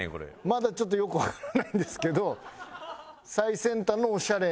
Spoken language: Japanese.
まだちょっとよくわからないんですけど最先端のオシャレ。